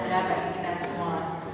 salam sejahtera bagi kita semua